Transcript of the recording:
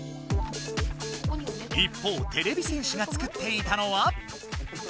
一方てれび戦士が作っていたのは。